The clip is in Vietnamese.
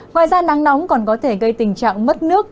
ngoài ra nắng nóng còn có thể gây tình trạng mất nước